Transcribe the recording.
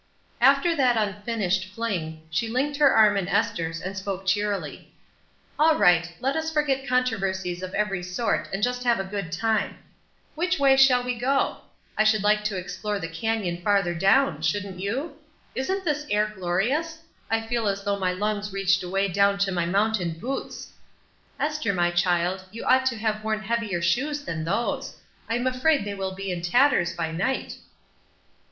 After that unfinished fling, she linked her arm in Esther's and spoke cheerily: — "All right; let us forget controversies of every sort and just have a good time. Which way shaU we go? I should Uke to explore the canyon farther down, shouldn't you? Isn't this air glorious ? I feel as though my lungs reached away down to my mountain boots. Esther, my child, you ought to have worn heavier shoes than those; I am afraid they will be in tatters by night."